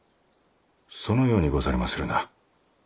そのようにござりまするな。